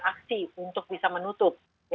aksi untuk bisa menutup